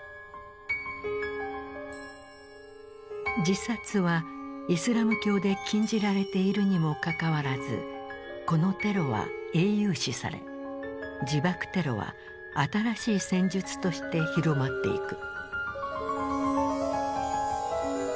自殺はイスラム教で禁じられているにもかかわらずこのテロは英雄視され「自爆テロ」は新しい戦術として広まっていく。